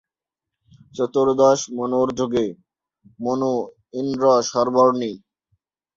চতুর্দশ মনুর যুগে, মনু ইন্দ্র-সর্বর্ণী।